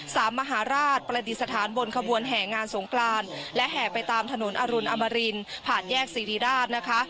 มหาราชประดิษฐานบนขบวนแห่งานสงกรานและแห่ไปตามถนนอรุณอมรินผ่านแยกสิริราชนะคะ